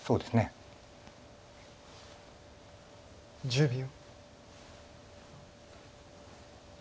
１０秒。